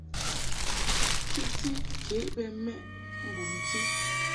Kiti ke bɛ mɛʼ mbumti.